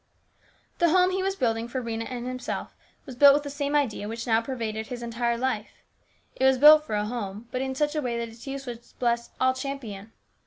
The home he was building for Rhena and himself was built with the same idea which now pervaded his entire life. It was built for a home, but in such a way that its use would bless all Champion.